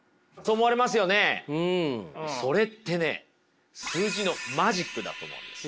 それってね数字のマジックだと思うんです。